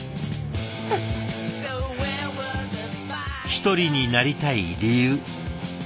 一人になりたい理由。